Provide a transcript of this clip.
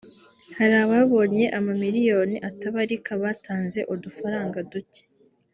hari ababonye amamiliyoni atabarika batanze udufaranga ducye